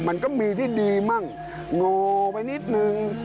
มันก็มีที่ดีมั่งโงไปนิดนึง